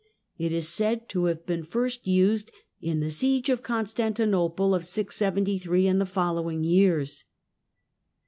It is said to have been first used in the siege of Constanti nople of 073 and the following years.